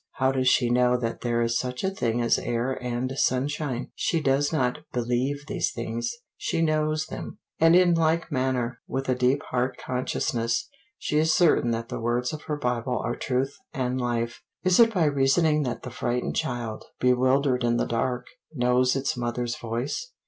How does she know that there is such a thing as air and sunshine? She does not believe these things she knows them; and in like manner, with a deep heart consciousness, she is certain that the words of her Bible are truth and life. Is it by reasoning that the frightened child, bewildered in the dark, knows its mother's voice?